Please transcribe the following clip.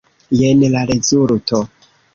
Jen la rezulto.